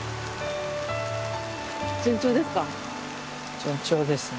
順調ですか？